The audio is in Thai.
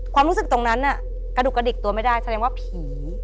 ความรู้สึกตรงนั้นกระดูกกระดิกตัวไม่ได้แสดงว่าผี